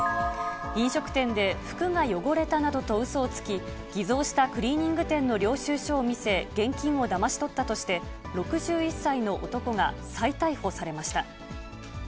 飲食店で服が汚れたなどとうそをつき、偽造したクリーニング店の領収書を見せ、現金をだまし取ったとして、６１歳の男が再逮捕されました。